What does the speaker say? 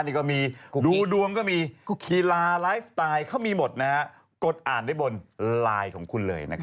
เด็กหนุ่มอายุ๒๐กับเด็กสาวอายุ๒๓